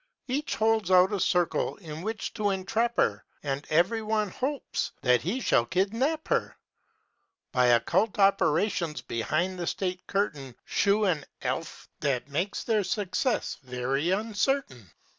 Each holds out a circle in which to entrap her, And ev'ry one hopes that he shall kidnap her. But occult operations behind the state curtain Shew an Elph, that makes their success very uncertain.